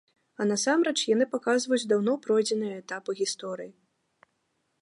А насамрэч яны паказваюць даўно пройдзеныя этапы гісторыі.